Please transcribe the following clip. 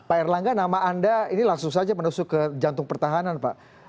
pak erlangga nama anda ini langsung saja menusuk ke jantung pertahanan pak